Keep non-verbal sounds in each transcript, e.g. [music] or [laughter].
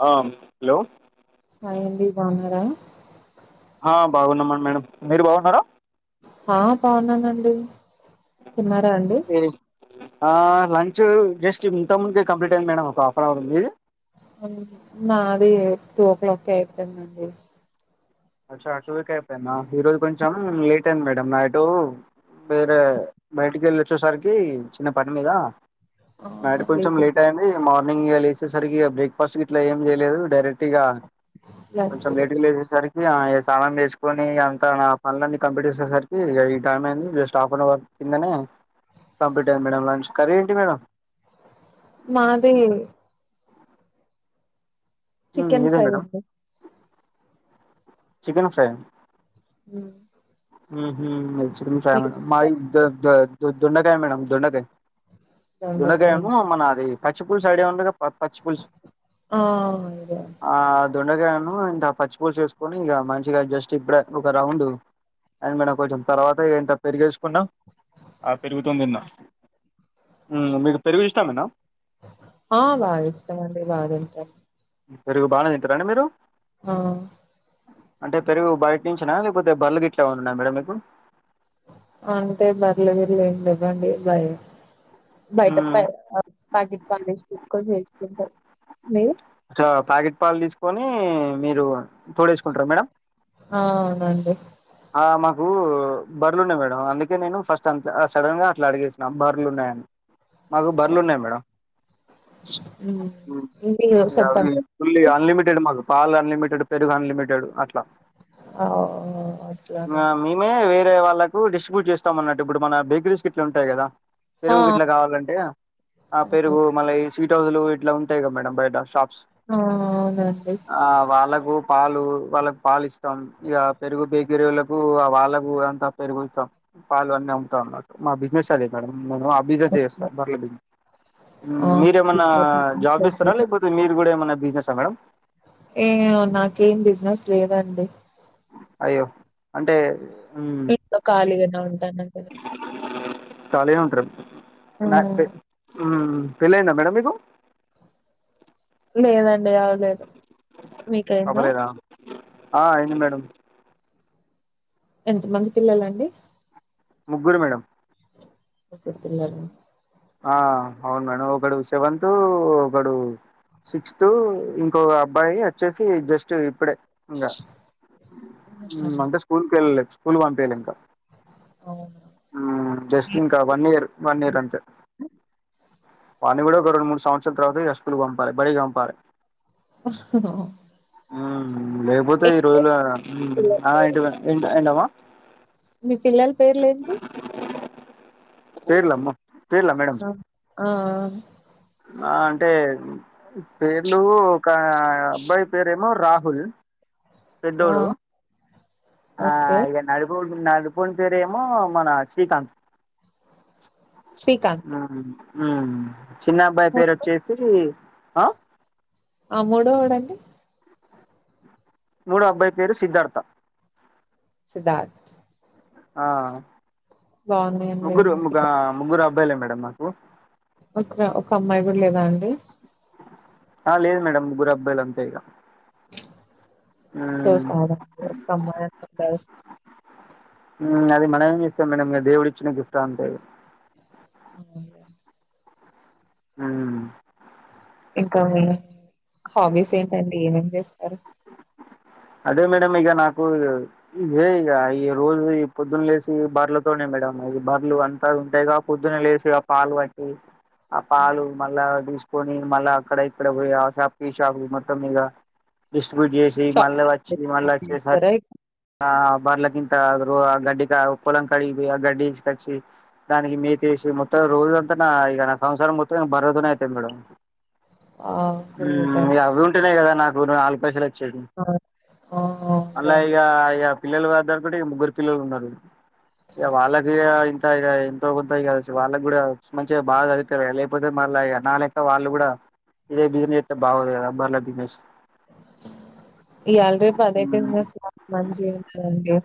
Hello హే అండి బాగునర ఆ బాగున్నామ మేడం మీరు బాగున్నారా ఆ బాగున్నానండి తిన్నారా అండి ఆ లంచ్ జస్ట్ ఇంత ముందుకే కంప్లీట్ అయింది మేడం ఒక హాఫ్ అన్ అవర్ మిది ఊ నాది టూ ఓ క్లాక్ కి అయిపోయిందండి ఈ రోజు కొంచెం లేట్ అయింది మేడ నిన్న నైట్ వేరే బయటికి వెళ్ళి వచ్చేసరికి చిన్న పని మీద నైట్ అవునా కొంచెం లేదు లేట్ అయింది మార్నింగ్ లేసేసరికిగా బ్రేక్ఫాస్ట్ ఇట్లా ఏం చేయలేదు డైరెక్ట్ ఇగ లంచ్ కొంచెం లేట్ గా లేచే సరికి ఇగ ఈ సామాన్ వేసుకొని అంతా నా పనులన్నీ కంప్లీట్ చేసేసరికి ఈ టైం అయింది జస్ట్ ఆఫన్ అవర్ కిందనే కంప్లీట్ అయింది మేడం లంచ్ కర్రీ ఏంటి మేడం నాదే హ్మ్ చికెన్ మీదే ఫ్రై మేడం అండి చికెన్ ఫ్రై హ చ కా మేడం మా ద ద దోండకాయ మేడం దడాకాయ దలగా దొండకాయ మన అది పచ్చిపూల్ సైడ్ ఉండగా ప పచ్చి పులుసు ఆ ఇదే ఆ దొండగాయ ఇంత పచ్చి పూలు చేసుకొని ఇక మంచిగా జస్ట్ ఇప్పుడ ఒక రౌండ్ అం మేడం కొంచెం తర్వాత ఇంత పెరిగేసుకున్నాం ఆ పెరుగుతుందిన్న మీకు పెరుగు ఇష్టామేనా ఆ బాగా ఇష్టమండి బాగాంటాం పెరుగు బాగానే తింటారండి మీరు ఆ అంటే పెరుగు బయట నుంచనా లేకపోతే బర్లు గ ఇట్లా ఉన్నా మేడ మీకు అండి బాయ బయటప్ప హ్మ్. పాకి పాలస్సుకొని వసుకుంట మీరు ఇట్లా ప్యాకెట్ పాలు తీసుకొని మీరు తోడ వేసుకుంటారు మేడం ఆనండి ఆ మాకు బర్రలు ఉన్నాయి మేడం అందుకే నేను ఫస్ట్ అంత సడన్ గా అట్లా అడిగేసిన బర్రలు ఉన్నాయని మాకు బరలు ఉన్నాయి మేడం ఉమ్, మీరు ఫుల్ సొంతంగా అన్లిమిటెడ్ మ పాల్ అన్లిమిటెడ్ పెరుగు అన్లిమిటెడ్ అట్లా అవు మేమే వేరే వాళ్ళకు డిస్ట్రిబ్యూట్ చేస్తాం అన్నట్టు ఇప్పుడు మన బేకరీస్ క ఇట్లా ఉంటాయి కదా ఆ పెరుగు ఇట్లా కావాలంటే ఆ అవును పెరుగు మళ్ళ ఈ స్వీట్ హౌస్లు ఇట్లా ఉంటాయి కదా మేడం బయట షాప్ ఆ అవునండి వాళ్ళకు పాలు వాళ్ళకి పాలు ఇస్తాం ఇక పెరుగు బే గిరివులకు అ వాళ్ళకు అంతా పెరుగుత్తం పాలు అన్నీ అమ్ముతాం మా బిజినెస్ అదే మేడం మము ఆ బిజినెస్సే చేస్తామ్ పార్లే ఉ ఆ, మీరేమన్నా జాబ్ చెప్పండి. చేస్తారా లేకపోతే మీరు కూడా ఏమన్నా బిజినెస్సా మేడం ఏమొ నాకేం బిజినెస్ లేదండి అయ్యో అంటే [unintelligible] ఇంట్లో ఖాళీగానే ఉంటాను అండి కాలిగా ఉంటర ఆ, మడ్ పే పెళ్ళయిందా మేడం మీకు లేదండి అవలేదు మీకైంద అవ్వలేదా ఆ అయింది మేడం ఎంత మంది పిల్లాలండి ముగ్గురు మేడం తుంద ఆ అవును మేడం ఒకగాడు శవతు ఒకగాడు సిక్స్త్ ఇంకో అబ్బాయి వచ్చేసి జస్ట్ ఇప్పుడే ఇంకా ఆహా, అంటే స్కూల్కి వెళ్ళలే స్కూల్ పంపయలే ఇంకా అవు హ్మ్. జస్ట్ ఇంకా వన్ ఇయర్ వన్ ఇయర్ అంతే వాని కూడా ఒక రెండు మూడు సంవత్సరాల తర్వాత స్పులు పంపాలి బడిగా పంపాలి ఆ లేపోతే ఈరోజ్లో పిల్లల ఆ పేరు? ఇంటి పని ఏంట్ ఏంటమ్మా మీ పిల్లల్ పేర్లు ఏంటి పేర్ల అమ్మ పేర్లా మేడం ఆ ఆ ఆ అంటే పేర్లు ఒక అబ్బాయి పేరేమో రాహుల్ ఆ, పెద్దోడు ఆ ఓకే ఇగ నడిపోడ్ ఉ నడిపోని పేరు ఏమో మన శ్రీకాంత్ శ్రీకాంత్ ఆ ఆ చిన్న అబ్బాయి పేరు మూడో- ఒచ్చేసి ఆ ఆ మూడో వోడు అంటే మూడో అబ్బాయి పేరు సిద్ధార్థ సిద్ధార్త్ ఆ బాగున్నాయండి. ముగ్గురు ముగ్గా ముగ్గురు అబ్బాయిలే మేడం నాకు ఒక్క ఒక్క అమ్మాయి గూడ్ లేదా అండి ఆ లేదు మేడం ముగురు అబ్బాయిల్ అంతే ఇగ సో మ్మ్ స్యాడా ఒక్ అమ్మాయి గన్ [unintelligible] మ్మ్ అది మనం ఏం జెస్తం మేడం ఆ దేవుడిచ్చన గిఫ్ట్ అంతేగా మాముల్గా ఆ ఇంకా మీ హాబీస్ ఏంటండి ఏమేం జేస్తరు అదే మేడం ఇగ నాకు ఇదే ఇగ ఈ రోజు ఈ పొద్దున్ లేసి బర్లతో నేన్ మేడం అవి బర్లు అంతా ఉంటాయిగా పొద్దున లేసీ ఆ పాలు వట్టి ఆ పాలు మళ్ళా దీస్ కొని మళ్ళా అక్కడ ఇక్కడ పోయి ఆ షాప్కి ఈ షాప్కి మొత్తం ఇగ డిస్ట్రిబ్యూట్ జేసి మల్ల వచ్చి మళ్లా షాపింగ్ చేసర్ చేస్తారా? ఆ బర్ల కింత ఒగ రో గడ్డికా ఒగ్ పొలం కడిగి పోయి ఆ గడ్డి తీస్కచ్చి దానికి మేతి ఏసి మొత్తం రోజంత నా ఇగ నా సంసారం మొత్తం ఇంగ బర్రెతొనే అయితది మేడం ఆ! గ్రేట్ ఊ అండి. అవి ఉంటేనే కదా నాక్ గుడా నాలుగ్ పైసలు అచ్చేది ఆ! ఆ! మల్లై అవునులేండి. అయ్యా పిల్లలు వద్దానుకుటే ఇగ ముగ్గురు పిల్లోళ్ళు ఉన్నారు చూడు యా వాళ్ళకీ ఇగ ఇంత ఇగ ఇంతో కొంత ఇగ శు వాలగ్ గుడ మంచిగ బా చదివిపియాలి కదా లేపోతే మా మల్ల ఇగ నాలెక్క వాళ్ళు గుడా ఇదే బిజిన్ చేత్తే బాగోదు గదా బర్ల బిజనెస్ ఈ యాల్రీ పదే మ్మ్ బిజినెస్ మా మంచిగ ఉంటుంది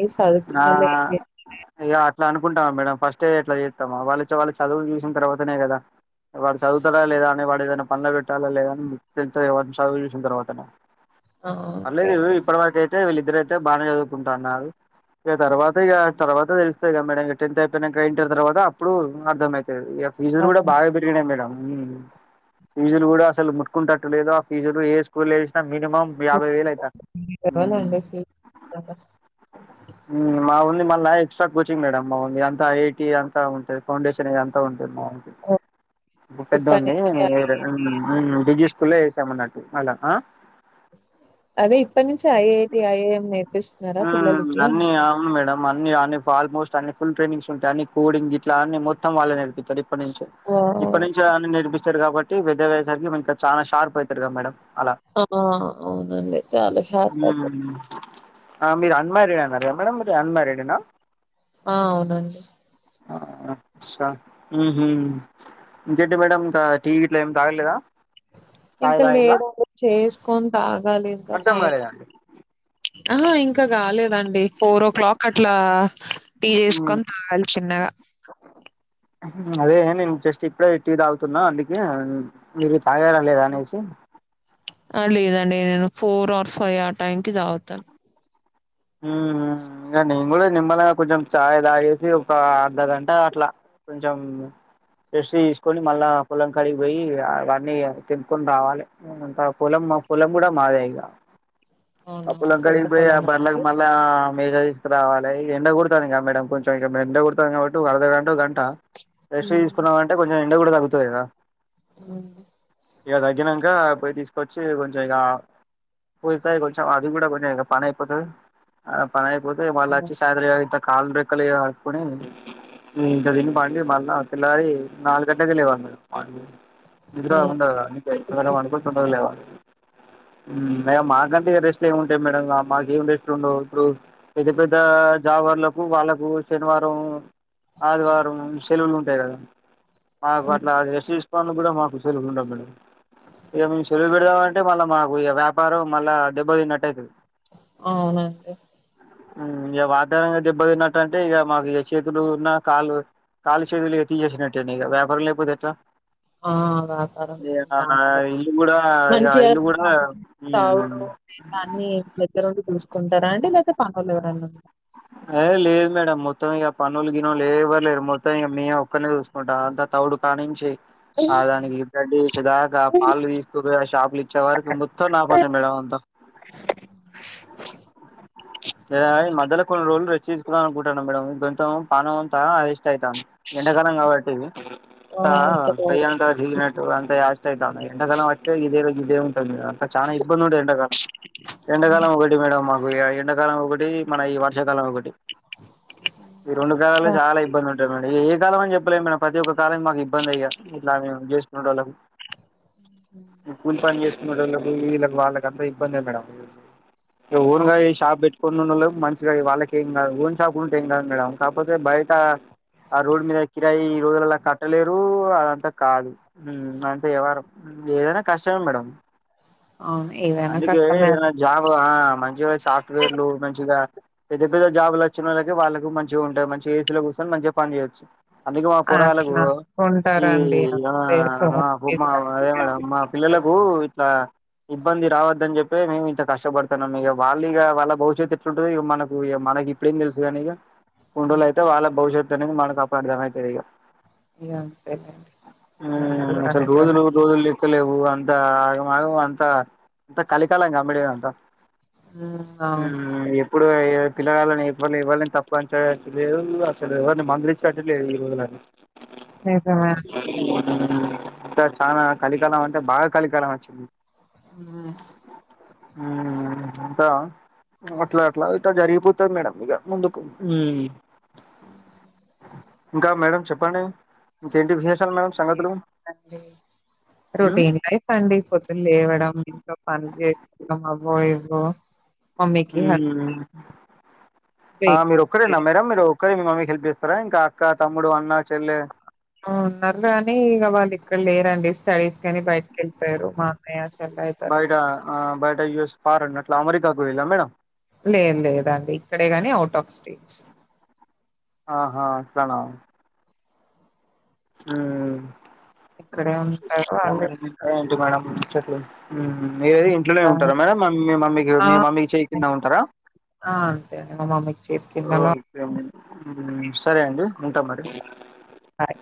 ఈ సదువ్ [unintelligible] గుంటాం మేడం ఫస్టే ఎట్ల జేత్తం వాలొచ్చ వాళ్ళ చదువు జుసిన్ తర్వాతనే గదా వాడు చదువుతడా లేదా అని వాడ్ ఏదన్న పన్లో పెట్టాలా లేదా అన్ తెలుతది కదా వాన్ చదువు చూసిన తర్వాతనే ఆ ఓకే పర్లేదు అండి ఇప్పటి అయితే వీళ్ళిద్దరు అయితే బానే చదువుకుంటాన్నారు ఇగ తర్వాత ఇగ తర్వాత తెలుస్తాయి గా మేడం ఇగ టెన్త్ అయిపోయినంక ఇంటర్ తర్వాత అప్పుడు అర్దమ్ అయిత్ ఇగ ఫీజులు గుడా బాగా అర్థమైంది. పెరిగినాయి మేడం ఉమ్ ఫీజులు గుడా అసలు ముట్టుకుంటట్టులేదు ఆ ఫీజులు ఏ స్కూల్ వసినా మినిమం యాభై వేలు అయితా [unintelligible] అండి సీ [unintelligible] ఉమ్ మా ఓన్లీ మళ్ళా ఎక్స్ట్రా కోచింగ్ మేడం మావోంది అంత ఐఐటీ అంతా ఉంటాయి ఫౌండేషనే అంత ఉన్ పెద్దొనికి ఇప్పుడ్ ఇప్పటి పెద్దొని నుంచి ఈ డే ఉమ్ ఊ రిజిస్ కుల్లో ఏసామన్నటు అలా ఆ అదే ఇప్పట్ నుంచి ఐఐటి ఐఐఎం ఏ ఆ అన్నీ అవును మేడం అన్ని ఆర్ అన్ని ఫాల్మొస్ట్ అన్ని ఫుల్ ట్రైనింగ్స్ ఉంటాయి అన్ని కోడింగ్ ఇట్లా అన్ని మొత్తం వాళ్ళే నేర్పితరు ఇప్ ఇప్పడ్ నించే ఇప్పడ్ వావ్! నించి అవన్నీ నేర్పిస్తారు కాబట్టి పెద్దగ్ అయ్యేసరికి మనకి అద్ చానా షార్ప్ అయితరుగా మేడం అలా పాపా ఆ అవునండి చాలా షార్ప్ అయితే. హ్మ్ ఆ మీరు అన్మారీడ్ అన్నారు కదా మేడమ్ మీరు అన్మారిడ్ ఆ. ఆ అవునండి ఇంకంటి మేడం ఇంకా టీ గిట్లా ఏమి తాగలేదా. చాయ్ ఇంకా తాగిల్లా లేదు అండి చేసుకొని, తాగాలి ఇంకా అర్థం టైం. కాలేదండి ఆ ఇంకా కాలేదండి. అండి ఫోర్ ఓ క్లాక్కి అట్లా టీ హ్మ్ చేసుకొని, తాగాలి చిన్నగా. ఆ అదే నేను జస్ట్ ఇప్పుడే టీ తాగుతున్నా అందుకె, మీరు. తాగారా, లేదా అనేసి. ఫోర్ ఆర్ ఫైవ్, ఆ టైంకి తాగుతా. మ్ హు ఇంకా నేను కూడా నిమ్మలంగా కొంచెం చాయ్ తాగేసి, ఒక అర్ధగంట అట్లా కొంచెం. రెస్ట్ తీసుకొని మళ్ళా పొలం కాడికిపోయి అవన్నీ తెంపుకొని రావాలి అదంతా పొలం. మా పొలం కూడా మాదె ఇక, ఆ అవునా? పొలం సొంత కాడికి పోయి ఆ పొలమా బర్లకి అండి? మ మీరే తీసుకురావాలె ఎండ కొడుతాంది కదా మేడం కొంచం ఎండ కొడుతాంది కాబట్టి ఒ అర్దగంటొ, గంటొ. ఆ రెస్ట్ హ్మ్. తీసుకున్నామంటే కొంచెం ఎండ కూడా తగ్గుతది కదా. మ్ ఇక తగ్గినంక, పోయి తీసుకొచ్చి, కొంచెం ఇక. పుడుతాది కొంచెం, అది కూడా కొంచెం ఇక పని అయిపోతది, ఆడ పని అయిపోతే మళ్ళా అవును. వచ్చి సాయంత్రం అయిదు అయితది. కాళ్ళు, రెక్కలు ఇక కడుక్కొని, ఇంత తిని, పండి, మళ్ళా తెల్లారి. నాలుగు గంటలకి లేవాలి, నిద్ర అలా ఉండదు, తొందరగా పండుకొని, తొందరగా లేవాలి. ఇక మాకంటే రెస్ట్ ఏమి ఉంటాయి మేడం మాక్ ఏం రెస్ట్ ఉండవు, ఇప్పుడు. పెద్ద పెద్ద జాబర్లకు, వాళ్ళకు శనివారం, ఆదివారం, సెలవులు. అంతే కదా, మాకు హ్మ్. అట్లా రెస్ట్ తీసుకోనికి కూడా మాకు సెలవు ఉండవు మడం. ఇక మేము శెలువు పెడదామంటే మళ్ళా మాకు, ఇక వ్యాపారం మళ్ళా దెబ్బ తిన్నట్టయితది. అవునండి. ఇక వాతావరణం దెబ్బ తిన్నట్టంటే ఇక మాకు చేతులు ఉన్నా కాళ్ళు కాళ్ళు, చేతులు ఇక తిసెసినట్టె వ్యాపారం లేకపోతే ఎట్ల. ఆ! వ్యాపారం ఇక నా బాగానే ఇల్లు కూడా ఇగ మంచిగా ఇల్లు కూడా. తాగుడు అన్ని దగ్గరుండి చూసుకుంటారా అండి లేకపోతే పనులు ఎవరన్నా. ఏ లేదు మేడం మొత్తం ఇక పనులు, గినులు ఏ ఎవరు లేరు మొత్తం ఇక మేము ఒక్కన్నె చూస్త. మొత్తం అంతా తౌడు కాన్నించి. ఆ దానికి గడ్డి ఏషే దాక, పాలు తీసుకపోయి ఆ షాపులు ఇచ్చే వరకి మొత్తం నా పనె మేడం. ఎ మధ్యాల కొన్ని రోజులు రెచ్చి తీసుకుందాం అనుకుంటాన్న మేడం కొంచెం పానమంతా ఆల్ ఐతాంది ఎండాకాలం కాబట్టి, ఆ అంతా ఇంత పెయ్యి బాగుందా అంతా తిరిగినట్టు అంత, అయితాంది ఎండకాలం వస్తే ఇదే ఇదే ఉంటది మేడం చాలా ఇబ్బంది ఉండే ఎండాకాలం. ఎండాకాలం ఒకటి మేడం మాకు ఎండాకాలం ఒకటి మన ఈ వర్షాకాలం ఒకటి. ఈ రెండు కాలలు చాలా ఇబ్బంది ఉంటాది మేడం. ఇక ఏ కాలం అని చెప్పలేమ్ మేడం. ప్రతి ఒక్క కాలం మాకు ఇబ్బందె ఇక, ఇట్లా మేము చేసుకునేటోళ్లకు ఈ కూలి పని చేస్ టోళ్లకు ఈళ్లకు, వాళ్ళకి అంత ఇబ్బందె మేడం ఇగ అవును ఓనుగా షాప్ పెట్ కొన్నునోళ్లకు మంచిగా వాళ్ళకి ఏం కాదు. ఓన్ షాప్ ఉంటే ఏం కాదు మేడం. కాకపోతే బయట ఆ రోడ్డు మీద కిరాయి ఈ రోజులల్లా కట్టలేరు, అదంతా కాదు, అదంతా యవ్వారం. ఏదైనా కష్టమె మేడం. అవును ఏదైనా అందుకే కష్టమే ఏదన్న అండి జాబ్, ఆ మంచిగా సాఫ్ట్వేర్లు, మంచిగా పెద్ద పెద్ద జాబులు వచ్చిన వోళ్ళకి, వాళ్ళకి మంచిగా ఉంటయి. మంచిగ ఏసీలో కూచొని మంచిగా పని చేయవచ్చు. అందుకే మా పొరాగాల్లకు, అట్లా ఈ ఉంటారండి ఇ అంతే సో మా మ్ మా అదే మేడం మా పిల్లలు, లకు ఇట్లా ఇబ్బంది రావద్దని చెప్ మేము ఇంత కష్టపడుతున్నాం ఇగ వాళ్ళు ఇగ వాళ్ళ భవిష్యత్ ఎట్లుంటంది మనకు ఓ ఈగా మనకి ఇప్పుడేం తెలుసు కానీ ఇగ కొన్ని రోజులు అయితే వాళ్ళ భవిష్యత్తు మనకు అప్పుడు అర్ధ మయితాధి ఇగ ఇగ అంతేలే మీరన్నది ఉమ్ కూడా అసలు నిజమే రోజులు రోజులు లెక్కలేవు అంత ఆగం ఆగం అంత కలి కాలంగా మేడం ఇదింతా మ్ అవును హ్మ్మ్ ఎప్పుడు ఎయ్య పిల్లగాలని ఎవ [unintelligible] ఎవ్వని తప్ప అనిలే లేదు అసలు ఎవరిని మదిలిచ తట్టట లేదు ఈరోజు నాకు నిజమే అండి అంత చానా కలికాలం అంటే బాగా కలికాలం వచ్చింది ఉం ఉం అంత అట్లా అట్లా అంత జరిగిపోతది మేడం ఇగ ముందుకు ఇంకా మేడం చెప్పండి ఇంకేంటి విశేషాలు మేడం సంగతులు ఏముందండి, మ్మ్ రొటీన్ లైఫ్ అండి పొద్దున లేవడం ఇంట్లో పని చేసుకోవడం అబోయి ఓ ఉం ఆ హెల్ప్ మీరు ఒక్కరేనా మేడమ్ మీరు [unintelligible] మీ మమ్మీకి హెల్ప్ చేస్తారా ఇంకా అక్క తమ్ముడు అన్న చెల్లె అ ఉన్నారు లేగని ఇగ వాళ్లకు ఇక్కడ లేరండి స్టడీస్ కని బయటికి వెళ్ళిపోయారు మా అన్నయ్య చెల్ల అయితారు బయట ఆ బయట యూస్ ఫార్ అన్నట్లు అమెరికాకు వెల్లం మేడం లేదు లేదు లేదండి ఇక్కడే గానీ అవుట్ ఆఫ్ స్టేట్స్ ఆహా అట్లన హుమ్ ఇక్కడే ఉంటారు వాళ్ళు ఇక ఏంటి మేడమ్ ముచ్చట్లు మీరయ్యి ఇంట్లోనే ఇంకా ఉంటారా మేడంమ్ మమ్మీకి ఆ మీ మమ్మీకి చెయి కింద ఉంటారా ఆ! అంతే అండి మా మమ్మీకి చేతి కిందలో ఓకే సరే అండి ఉంటాం మరి హాయ్